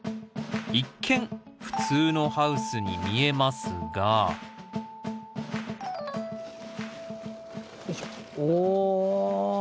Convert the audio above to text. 一見普通のハウスに見えますがおお！